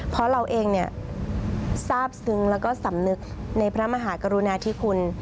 เพราะเราเองทราบซึ้งแล้วก็สำนึกในพระมหากรุณาธิคุณ